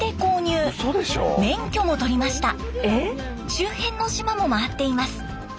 周辺の島も回っています。